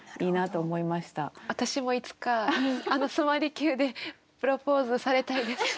私もいつか須磨離宮でプロポーズされたいです。